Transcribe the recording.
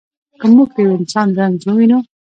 که موږ د یوه انسان رنځ ووینو.